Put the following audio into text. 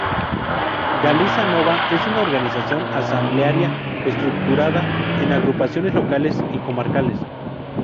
Galiza Nova es una organización asamblearia estructurada en agrupaciones locales y comarcales.